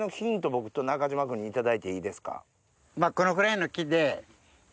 僕と中島君に頂いていいですか？